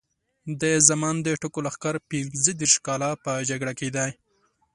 د زمان د ټکو لښکر پینځه دېرش کاله په جګړه کې دی.